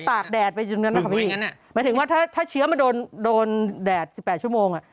หมายถึงว่าถ้าเชื้อมาโดนแดด๑๘ชั่วโมง